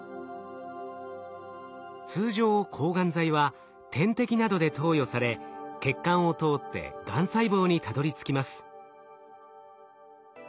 通常抗がん剤は点滴などで投与され血管を通ってがん細胞にたどりつきます。